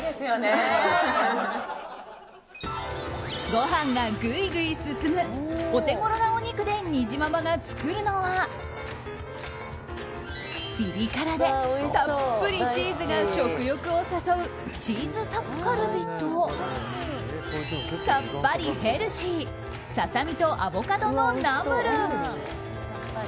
ご飯がぐいぐい進むお手頃なお肉でにじままが作るのはピリ辛でたっぷりチーズが食欲を誘うチーズタッカルビとさっぱりヘルシーささみとアボカドのナムル。